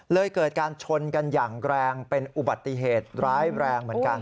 เกิดการชนกันอย่างแรงเป็นอุบัติเหตุร้ายแรงเหมือนกัน